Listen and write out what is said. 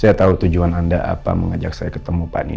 saya tahu tujuan anda apa mengajak saya ketemu pak niko